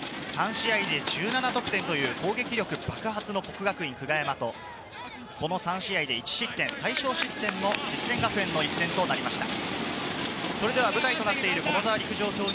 ３試合で１７得点という攻撃力爆発の國學院久我山と、この３試合で１失点、最少失点の実践学園の一戦となりました。